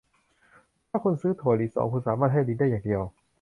ถ้าคุณซื้อถั่วลิสง คุณสามารถให้ลิงได้อย่างเดียว